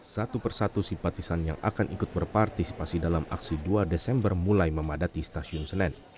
satu persatu simpatisan yang akan ikut berpartisipasi dalam aksi dua desember mulai memadati stasiun senen